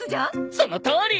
そのとおり！